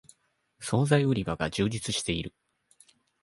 そうざい売り場が充実している